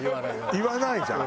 言わないじゃん？